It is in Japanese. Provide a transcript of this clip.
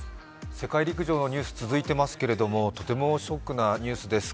世界陸上のニュース続いていますけれどもとてもショックなニュースです。